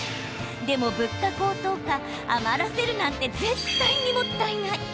でも物価高騰下余らせるなんて絶対に、もったいない。